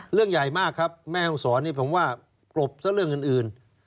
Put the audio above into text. เรื่องใหญ่มากครับแม่ห้องศรนี่ผมว่ากลบซะเรื่องอื่น